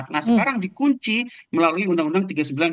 nah sekarang dikunci melalui undang undang tiga puluh sembilan dua ribu